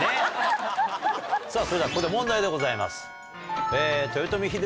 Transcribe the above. さぁそれではここで問題でございます。